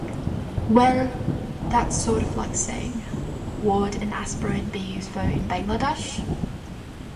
Well, that's sort of like saying, 'Would an aspirin be useful in Bangladesh?